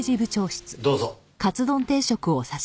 どうぞ。